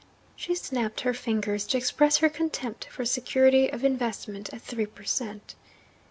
She snapped her fingers to express her contempt for security of investment at three per cent.